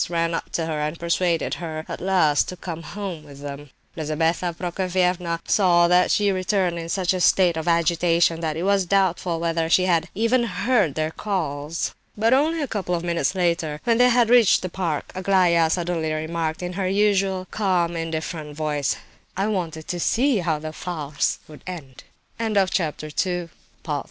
ran up to her and persuaded her, at last, to come home with them. Lizabetha Prokofievna saw that she returned in such a state of agitation that it was doubtful whether she had even heard their calls. But only a couple of minutes later, when they had reached the park, Aglaya suddenly remarked, in her usual calm, indifferent voice: "I wanted to see how the farce would end." III. The occurrence